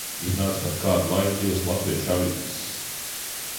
Iznāca pat kādu laiku divas latviešu avīzes.